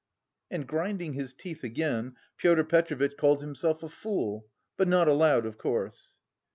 And grinding his teeth again, Pyotr Petrovitch called himself a fool but not aloud, of course.